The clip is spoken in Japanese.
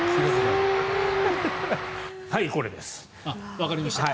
わかりました。